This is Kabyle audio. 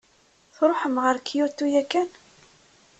Tṛuḥem ɣer Kyoto yakan?